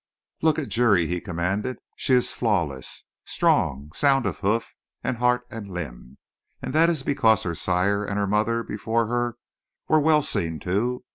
"Look at Juri," he commanded. "She is flawless, strong, sound of hoof and heart and limb. And that is because her sire and her mother before her were well seen to.